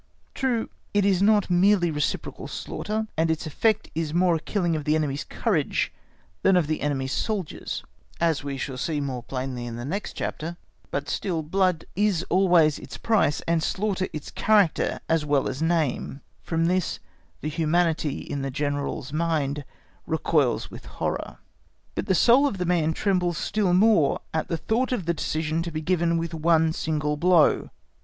True, it is not merely reciprocal slaughter, and its effect is more a killing of the enemy's courage than of the enemy's soldiers, as we shall see more plainly in the next chapter—but still blood is always its price, and slaughter its character as well as name;(*) from this the humanity in the General's mind recoils with horror. (*) "Schlacht", from schlachten = to slaughter. But the soul of the man trembles still more at the thought of the decision to be given with one single blow.